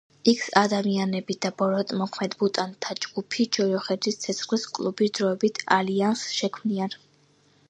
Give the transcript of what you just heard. იქს-ადამიანები და ბოროტმოქმედ მუტანტთა გუნდი ჯოჯოხეთის ცეცხლის კლუბი დროებით ალიანსს შექმნიან.